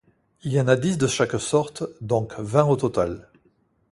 Il y en a dix de chaque sorte, donc vingt au total.